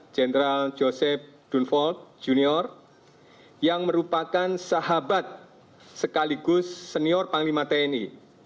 general joseph dunford jr yang merupakan sahabat sekaligus senior panglima tni